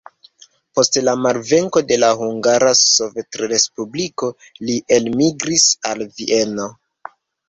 Post la malvenko de la Hungara Sovetrespubliko, li elmigris al Vieno.